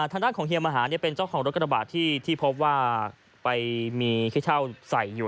ทางด้านของเฮียมหาเป็นเจ้าของรถกระบาดที่พบว่าไปมีขี้เช่าใส่อยู่